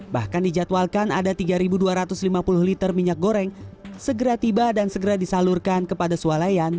bahkan dijadwalkan ada tiga dua ratus lima puluh liter minyak goreng segera tiba dan segera disalurkan kepada sualayan